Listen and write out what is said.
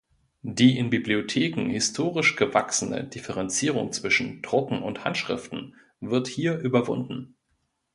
Die in Bibliotheken historisch gewachsene Differenzierung zwischen Drucken und Handschriften wird hier überwunden.